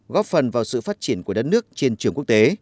góp phần vào sự phát triển của đất nước trên trường quốc tế